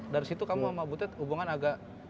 dari situ kamu sama butet hubungan agak